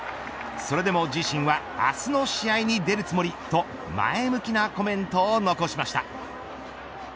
それでも自身は明日の試合に出るつもりと前向きなコメントを残しました。